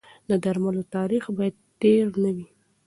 د درملو تاریخ باید تېر نه وي.